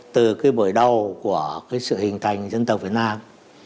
từ cái buổi đầu của cái sự hình thành dân tộc việt nam